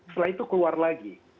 setelah itu keluar lagi